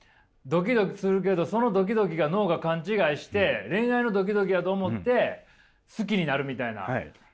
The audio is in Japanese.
ドキドキするけどそのドキドキが脳が勘違いして恋愛のドキドキやと思って好きになるみたいな。